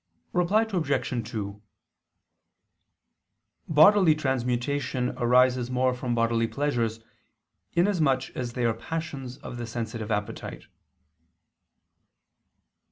Reply Obj. 2: Bodily transmutation arises more from bodily pleasures, inasmuch as they are passions of the sensitive appetite.